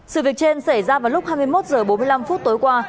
sự việc trên xảy ra vào lúc hai mươi một h bốn mươi năm tối qua